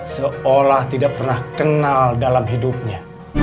seolah tidak pernah kenal dalam hidupnya